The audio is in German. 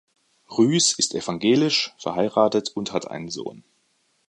Rühs ist evangelisch, verheiratet und hat einen Sohn.